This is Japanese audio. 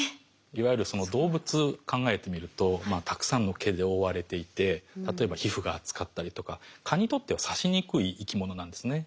いわゆる動物考えてみるとたくさんの毛で覆われていて例えば皮膚が厚かったりとか蚊にとっては刺しにくい生き物なんですね。